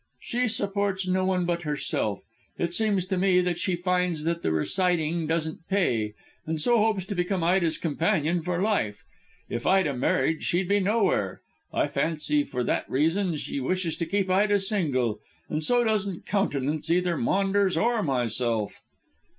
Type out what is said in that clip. "She supports no one but herself. It seems to me that she finds that the reciting doesn't pay, and so hopes to become Ida's companion for life. If Ida married she'd be nowhere. I fancy for that reason she wishes to keep Ida single, and so doesn't countenance either Maunders or myself."